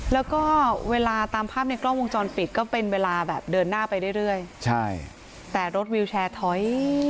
แล้วก็เวลาตามภาพในกล้องวงจรปิดก็เป็นเวลาแบบเดินหน้าไปเรื่อยเรื่อยใช่แต่รถวิวแชร์ถอย